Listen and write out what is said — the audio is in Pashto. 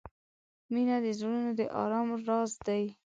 • مینه د زړونو د آرام راز دی.